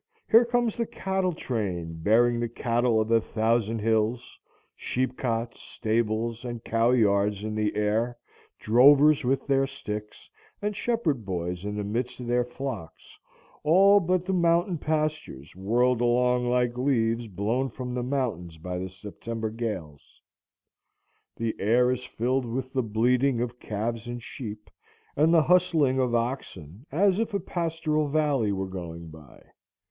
here comes the cattle train bearing the cattle of a thousand hills, sheepcots, stables, and cow yards in the air, drovers with their sticks, and shepherd boys in the midst of their flocks, all but the mountain pastures, whirled along like leaves blown from the mountains by the September gales. The air is filled with the bleating of calves and sheep, and the hustling of oxen, as if a pastoral valley were going by.